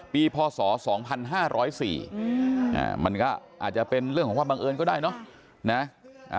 ปีพศ๒๕๐๔อาจจะเป็นเรื่องของบังเอิญก็ได้เนอะ